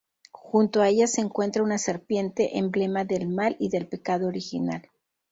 Junto a ella se encuentra una serpiente, emblema del mal y del pecado original.